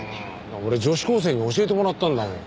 俺女子高生に教えてもらったんだもん。